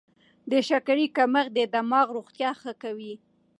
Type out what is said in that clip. د شکرې کمښت د دماغ روغتیا ښه کوي.